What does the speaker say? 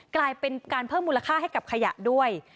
กลายเป็นการเพิ่มมูลค่าให้กับขยะด้วย